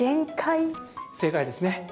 正解ですね。